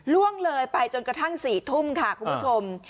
ล่วงเลยไปจนกระทั่ง๔ทุ่มค่ะคุณผู้ชม